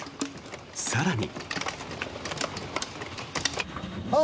更に。